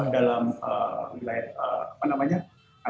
dalam wilayah apa namanya